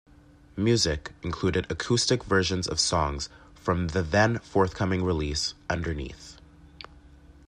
Music included acoustic versions of songs from the then-forthcoming release, "Underneath".